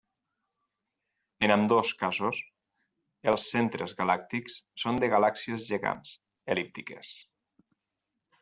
En ambdós casos, els centres galàctics són de galàxies gegants el·líptiques.